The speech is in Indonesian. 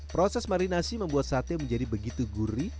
proses marinasi membuat sate menjadi begitu gurih